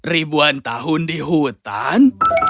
ribuan tahun di hutan